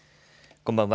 こんばんは。